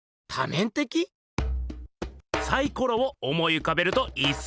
サイコロを思いうかべるといいっす。